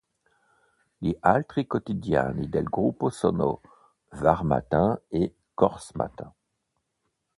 Gli altri quotidiani del gruppo sono Var-Matin e Corse-Matin.